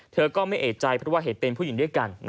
เธอก็ไม่เอกใจเพราะว่าเห็นเป็นผู้หญิงด้วยกัน